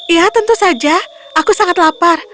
ya tentu saja aku sangat lapar